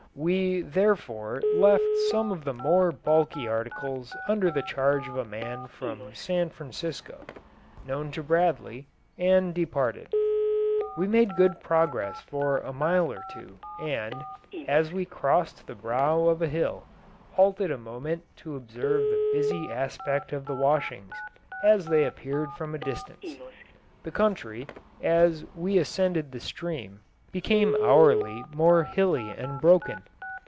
We, therefore, left some of the more bulky articles under the charge of a man from San Francisco, known to Bradley, and departed. We made good progress for a mile or two; and, as we crossed the brow of a hill, halted a moment to observe the busy aspect of the washings, as they appeared from a distance. The country, as we ascended the stream, became hourly more hilly and broken.